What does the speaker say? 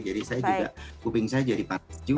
jadi kuping saya jadi panggung juga